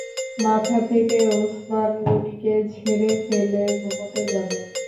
মাথা থেকে ওসমান গনিকে ঝেড়ে ফেলে ঘুমুতে যাবেন।